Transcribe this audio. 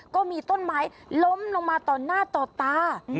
ก็มีต้นไม้ล้มลงมาต่อหน้าต่อตา